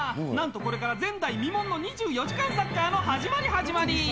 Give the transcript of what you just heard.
なんとこれから前代未聞の２４時間サッカーの始まり始まり！